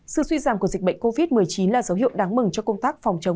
sự suy giảm của dịch bệnh covid một mươi chín là dấu hiệu đáng mừng cho công tác phòng chống